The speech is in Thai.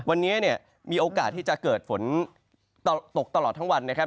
วันนี้เนี่ยมีโอกาสที่จะเกิดฝนตกตลอดทั้งวันนะครับ